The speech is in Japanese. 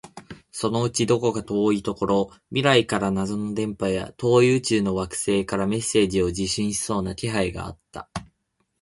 そのうちどこか遠いところ、未来から謎の電波や、遠い宇宙の惑星からメッセージを受信しそうな気配があった